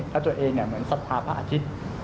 และตัวเองเหมือนศัพทาภาอาทิตย์